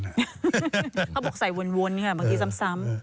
เขาบอกใส่วนเวลาเมื่อกี้ซ้ำ